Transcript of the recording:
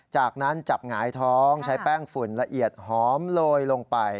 จากนั้นจับหงายท้องใช้แป้งฝุ่นละเอียดหอมโรยลงไป